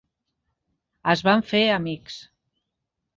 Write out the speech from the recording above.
Es van fer amics.